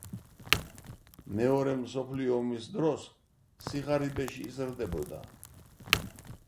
მეორე მსოფლიო ომის დროს სიღარიბეში იზრდებოდა.